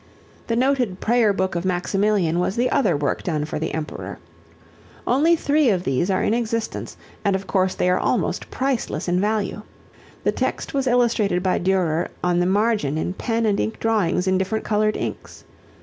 The noted Prayer Book of Maximilian was the other work done for the Emperor. Only three of these are in existence and of course they are almost priceless in value. The text was illustrated by Durer on the margin in pen and ink drawings in different colored inks.